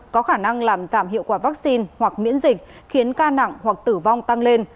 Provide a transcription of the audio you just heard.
có khả năng làm giảm hiệu quả vaccine hoặc miễn dịch khiến ca nặng hoặc tử vong tăng lên